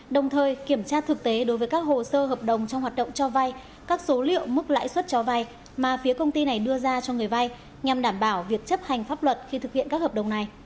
đồng thời kiểm tra thực tế đối với các hồ sơ hợp đồng trong hoạt động cho vay các số liệu mức lãi suất cho vay mà phía công ty này đưa ra cho người vai nhằm đảm bảo việc chấp hành pháp luật khi thực hiện các hợp đồng này